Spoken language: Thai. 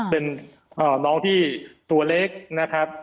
เป็นน้องที่ตัวเล็กนะครับ